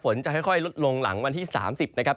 จะค่อยลดลงหลังวันที่๓๐นะครับ